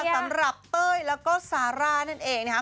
สำหรับเต้ยแล้วก็ซาร่านั่นเองค่ะ